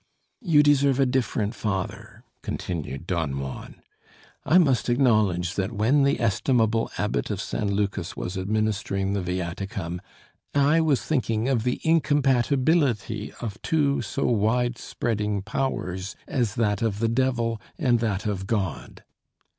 "You deserve a different father," continued Don Juan. "I must acknowledge that when the estimable Abbot of San Lucas was administering the viaticum' I was thinking of the incompatibility of two so wide spreading powers as that of the devil and that of God."